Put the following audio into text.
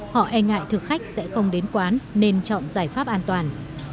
họ e ngại thực khách sẽ không đến quán nên chọn giải pháp an toàn